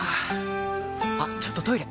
あっちょっとトイレ！